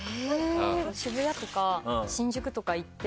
渋谷とか新宿とか行って。